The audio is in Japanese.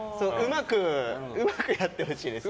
うまくやってほしいですね。